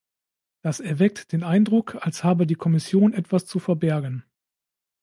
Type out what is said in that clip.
Das erweckt den Eindruck, als habe die Kommission etwas zu verbergen.